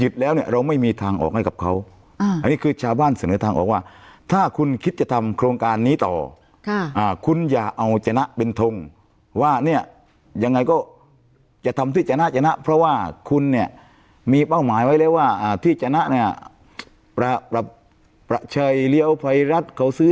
เราไม่มีทางออกให้กับเขาอันนี้คือชาวบ้านเสนอทางออกว่าถ้าคุณคิดจะทำโครงการนี้ต่อ